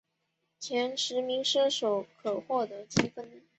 前十名车手可获得积分。